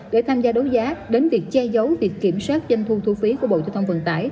để tham gia đấu giá đến việc che giấu việc kiểm soát doanh thu thu phí của bộ giao thông vận tải